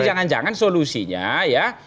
jangan jangan solusinya ya